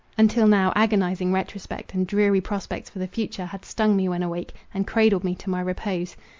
Until now, agonizing retrospect, and dreary prospects for the future, had stung me when awake, and cradled me to my repose.